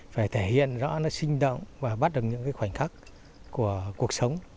phải thể hiện rõ nó sinh động và bắt được những cái khoảnh khắc của cuộc sống